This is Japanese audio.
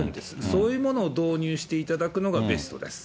そういうものを導入していただくのがベストです。